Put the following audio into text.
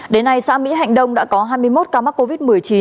đến nay xã mỹ hạnh đông đã có hai mươi một ca mắc covid một mươi chín